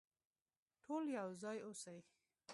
ټول يو ځای اوسئ.